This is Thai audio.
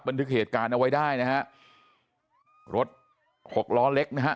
บันทึกเหตุการณ์เอาไว้ได้นะฮะรถหกล้อเล็กนะฮะ